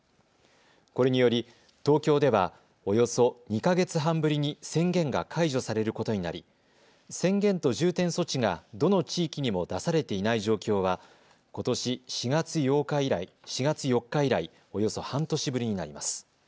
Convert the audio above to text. これにより東京では、およそ２か月半ぶりに宣言が解除されることになり宣言と重点措置がどの地域にも出されていない状況はことし４月４日以来、およそ半年ぶりになります。